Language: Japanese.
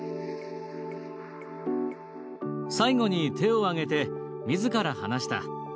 「最後に手を挙げて自ら話した。